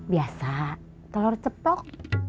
biasa telur cetok